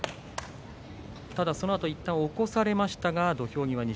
そのあといったん起こされましたが土俵際、錦